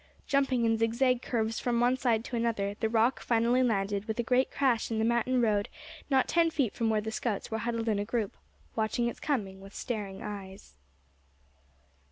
Jumping in zigzag curves from one side to another, the rock finally landed with a great crash in the mountain road not ten feet from where the scouts were huddled in a group, watching its coming with staring eyes.